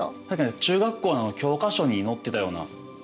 中学校の教科書に載ってたような気がしますね。